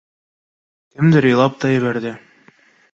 Кемдер илап та ебәрҙе.